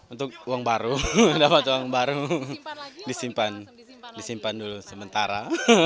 untuk uang baru dapat uang baru disimpan dulu sementara